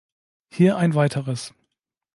Hier ein weiteres.